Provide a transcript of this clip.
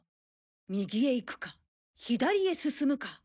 右へ行くか左へ進むか。